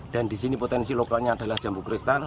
dan di sini potensi lokalnya adalah jambu kristal